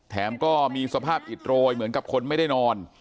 แถมก็มีสภาพอิดโรยเหมือนกับคนไม่ได้นอน